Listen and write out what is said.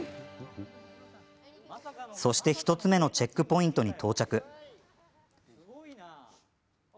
そして１つ目のチェックポイントに到着。